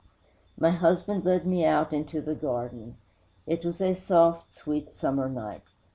'My husband led me out into the garden. It was a soft, sweet, summer night.